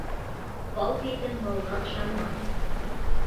Фал биргән малға ышанма.